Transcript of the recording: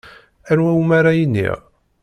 Anwa umi ara iniɣ?